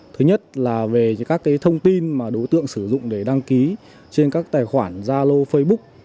thứ nhất là về các thông tin mà đối tượng sử dụng để đăng ký trên các tài khoản zalo facebook